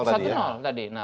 satu nol tadi